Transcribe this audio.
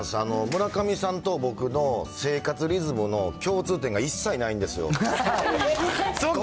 村上さんと僕の生活リズムの共通点が一切ないんですよ。